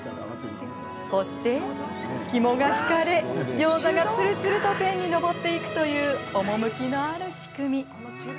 そして、ひもが引かれギョーザがつるつると天に昇っていくという趣のある仕組み。